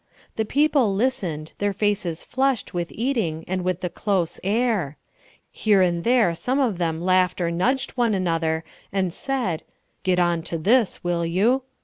The people listened, their faces flushed with eating and with the close air. Here and there some of them laughed or nudged one another and said, "Get on to this, will you?"